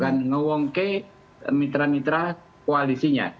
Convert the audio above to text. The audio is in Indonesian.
ngewongke mitra mitra koalisinya